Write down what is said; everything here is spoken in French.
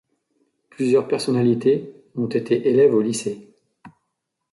Plusieurs personnalités ont été élèves au lycée.